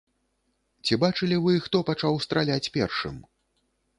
Ці бачылі вы, хто пачаў страляць першым?